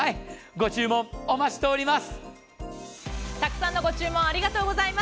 ご注文お待ちしております。